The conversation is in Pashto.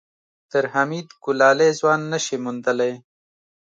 تر حميد ګلالی ځوان نه شې موندلی.